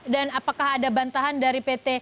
dan apakah ada bantahan dari pt